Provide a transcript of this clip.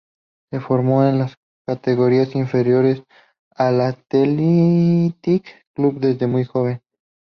Se formó en las categorías inferiores del Athletic Club desde muy joven.